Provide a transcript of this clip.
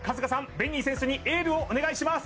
紅偉選手にエールをお願いします